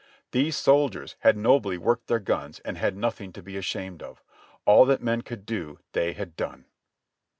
These soldiers had nobly worked their guns and had nothing to be ashamed of. All that men could do they had done.